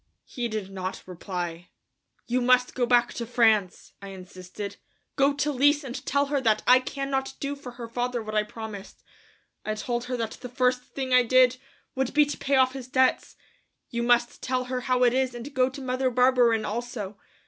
He did not reply. "You must go back to France," I insisted; "go to Lise and tell her that I cannot do for her father what I promised. I told her that the first thing I did would be to pay off his debts. You must tell her how it is, and go to Mother Barberin also.